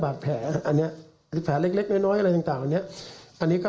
บาดแผลอันนี้แผลเล็กน้อยอะไรต่างเนี่ยอันนี้ก็